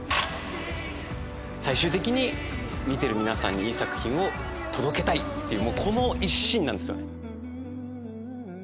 最終的に見てる皆さんにいい作品を届けたいっていうこの一心なんですよね。